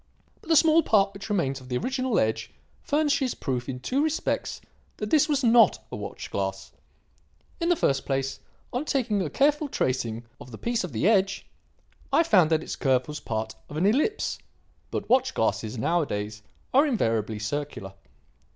But the small part which remains of the original edge furnishes proof in two respects that this was not a watch glass. In the first place, on taking a careful tracing of this piece of the edge, I found that its curve was part of an ellipse; but watch glasses, nowadays, are invariably circular.